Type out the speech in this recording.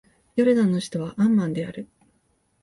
ヨルダンの首都はアンマンである